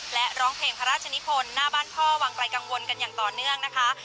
และร้องเพลงพระราชนิพลหน้าบ้านพ่อวังไกลกังวลกันอย่างต่อเนื่องนะคะ